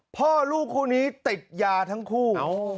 พ่อลูกคู่นี้ติดยาทั้งคู่